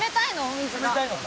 水が。